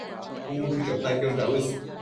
cun chu chota quiosh dauës